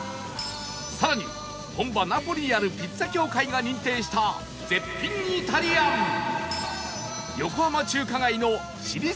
さらに本場ナポリにあるピッツァ協会が認定した絶品イタリアン